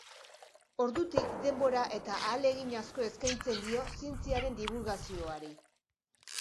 Ordutik denbora eta ahalegin asko eskaintzen dio zientziaren dibulgazioari.